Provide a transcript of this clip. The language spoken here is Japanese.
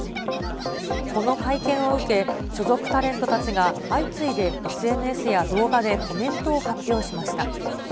この会見を受け、所属タレントたちが相次いでＳＮＳや動画でコメントを発表しました。